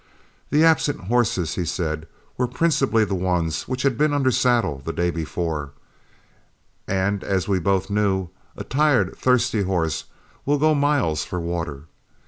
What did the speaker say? The absent horses, he said, were principally the ones which had been under saddle the day before, and as we both knew, a tired, thirsty horse will go miles for water.